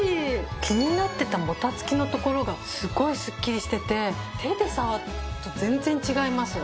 気になってたもたつきのところがすごいスッキリしてて手で触ると全然違います。